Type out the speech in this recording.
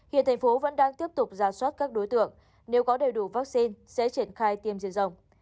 hiện thành phố vẫn đang tiếp tục ra soát các đối tượng nếu có đầy đủ vaccine sẽ triển khai tiêm diện rộng